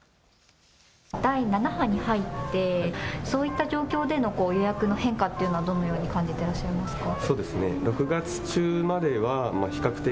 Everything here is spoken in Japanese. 第７波に入ってそういった状況での予約の変化というのはどのように感じてらっしゃいますか。